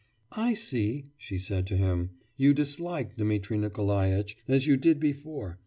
'I see,' she said to him, 'you dislike Dmitri Nikolaitch, as you did before.